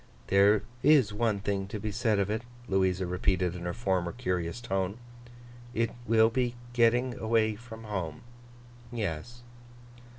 'There is one thing to be said of it,' Louisa repeated in her former curious tone; 'it will be getting away from home. Yes.